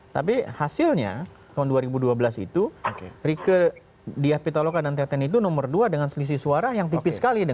tapi hasilnya tahun dua ribu dua belas itu rike diah pitoloka dan teten itu nomor dua dengan selisih suara yang tipis sekali